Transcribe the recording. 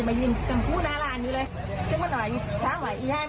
แต่ทีนี้คุยกับเจ้านี้เรียบร้อยแล้ว